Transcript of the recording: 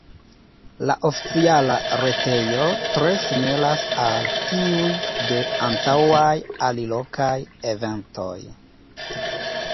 La oficiala retejo tre similas al tiuj de antaŭaj alilokaj eventoj.